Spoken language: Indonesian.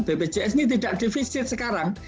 bpjs ini tidak defisit sekarang